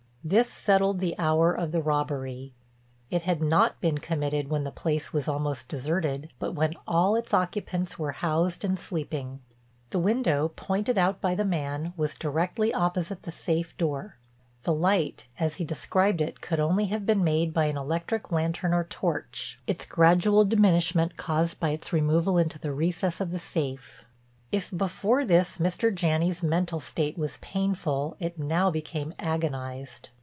This settled the hour of the robbery. It had not been committed when the place was almost deserted, but when all its occupants were housed and sleeping. The window, pointed out by the man, was directly opposite the safe door, the light as he described it could only have been made by an electric lantern or torch, its gradual diminishment caused by its removal into the recess of the safe. If before this Mr. Janney's mental state was painful, it now became agonized.